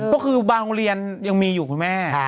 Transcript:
ก็คือบางโรงเรียนยังมีอยู่คุณแม่